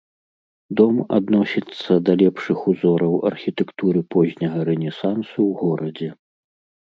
Дом адносіцца да лепшых узораў архітэктуры позняга рэнесансу ў горадзе.